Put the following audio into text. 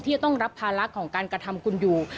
จะต้องรับภาระของการกระทำคุณอยู่